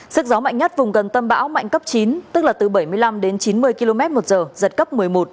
sức gió mạnh nhất vùng gần tâm bão mạnh cấp chín tức là từ bảy mươi năm đến chín mươi km một giờ giật cấp một mươi một